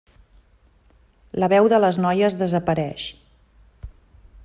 La veu de les noies desapareix.